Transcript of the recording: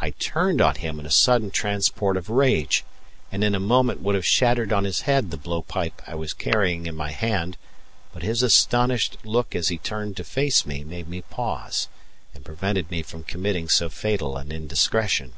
I turned on him in a sudden transport of rage, and in a moment would have shattered on his head the blow pipe I was carrying in my hand, but his astonished look as he turned to face me made me pause and prevented me from committing so fatal an indiscretion.